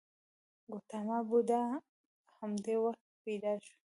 ګوتاما بودا په همدې وخت کې پیدا شو.